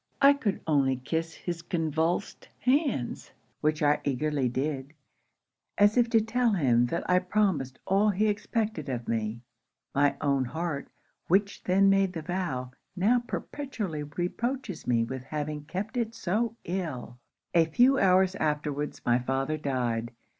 I could only kiss his convulsed hands; which I eagerly did, as if to tell him that I promised all he expected of me. My own heart, which then made the vow, now perpetually reproaches me with having kept it so ill! 'A few hours afterwards, my father died.